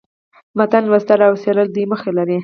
د متن لوستل او څېړل دوې موخي لري.